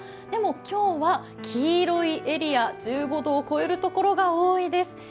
でも今日は黄色いエリア、１５度を超えるところが多いです。